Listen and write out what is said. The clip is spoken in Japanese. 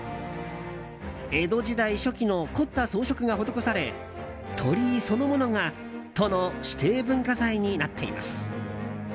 江戸時代初期の凝った装飾が施され鳥居そのものが都の指定文化財になっています。